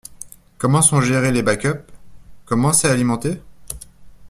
Comment sont gérés les backups? Comment c’est alimenté ?